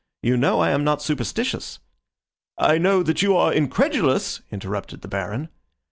You know I am not superstitious." "I know that you are incredulous," interrupted the Baron.